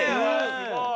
すごい。